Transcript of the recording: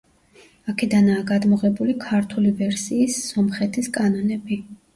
აქედანაა გადმოღებული ქართული ვერსიის სომხეთის კანონები.